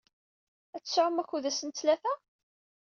Ad tesɛum akud ass n ttlata?